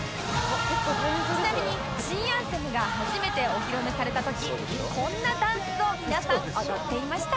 ちなみに新アンセムが初めてお披露目された時こんなダンスを皆さん踊っていました